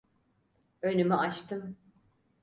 Önümü açtım…